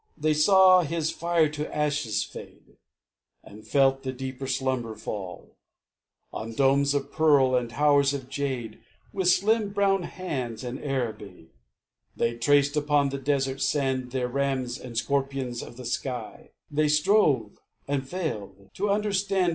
They saw his fire to ashes fade, And felt the deeper slumber fall On domes of pearl and towers of jade. With slim brown hands, in Araby, They traced, upon the desert sand, Their Rams and Scorpions of the sky, And strove and failed to understand.